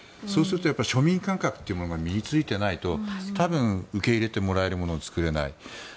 そうすると庶民感覚というものが身に着いていないと受け入れてもらえるものを作れない。